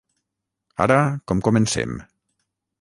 Ara, com comencem?